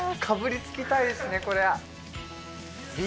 かぶりつきたいですねこれは。